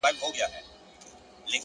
علم د عقل روښانتیا ده،